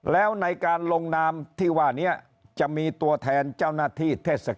แล้วในการลงนามที่ว่านี้จะมีตัวแทนเจ้าหน้าที่เทศกา